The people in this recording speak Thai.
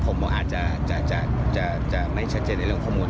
ผมว่าอาจจะไม่ชัดเจนในเรื่องข้อมูล